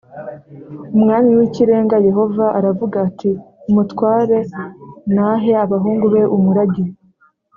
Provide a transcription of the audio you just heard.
Umwami w Ikirenga Yehova aravuga ati umutware nahe abahungu be umurage